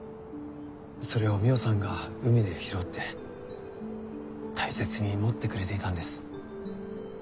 それを海音さんが海で拾って大切に持ってくれていたんです。